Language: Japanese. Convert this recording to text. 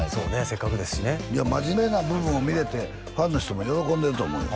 せっかくですしねいや真面目な部分を見れてファンの人も喜んでると思うよ